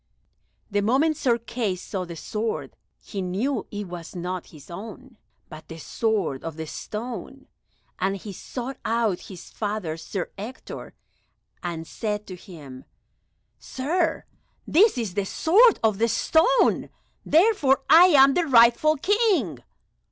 The moment Sir Kay saw the sword he knew it was not his own, but the sword of the stone, and he sought out his father Sir Ector, and said to him, "Sir, this is the sword of the stone, therefore I am the rightful King."